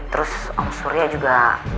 terus om surya juga